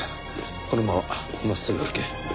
このまま真っすぐ歩け。